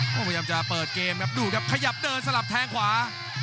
พยายามจะเปิดเกมครับดูครับขยับเดินสลับแทงขวา